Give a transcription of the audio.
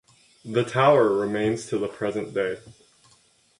The tower remains to the present day.